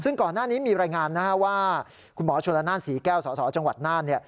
ซึ่งก่อนหน้านี้มีรายงานว่าคุณหมอชนละนานศรีแก้วสสจังหวัดน่าน